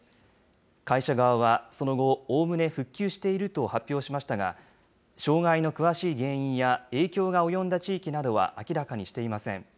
会社側はその後、おおむね復旧していると発表しましたが、障害の詳しい原因や、影響が及んだ地域などは明らかにしていません。